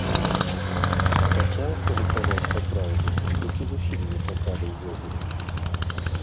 Хаця, калі казаць папраўдзе, дык і зусім не чакалі ўвогуле.